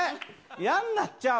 やんなっちゃう。